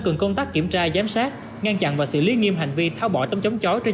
cần công tác kiểm tra giám sát ngăn chặn và xử lý nghiêm hành vi thao bỏ tấm chống chói trên